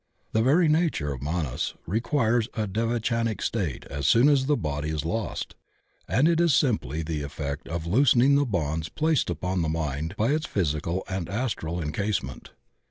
The very nature of Manas re quires a devachanic state as soon as the body is lost, and it is simply the effect of loosening the bonds placed upon the mind by its physical and astral en casement.